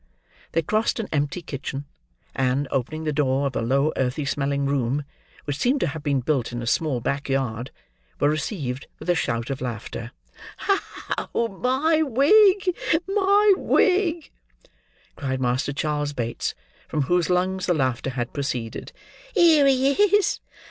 They crossed an empty kitchen; and, opening the door of a low earthy smelling room, which seemed to have been built in a small back yard, were received with a shout of laughter. "Oh, my wig, my wig!" cried Master Charles Bates, from whose lungs the laughter had proceeded: "here he is!